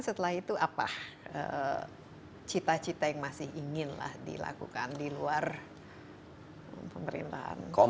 setelah itu apa cita cita yang masih inginlah dilakukan di luar pemerintahan